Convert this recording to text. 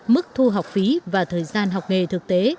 mức thu học phí và thời gian học nghề thực tế